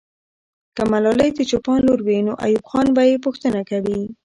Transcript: که ملالۍ د چوپان لور وي، نو ایوب خان به یې پوښتنه کوي.